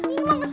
ini mah mesra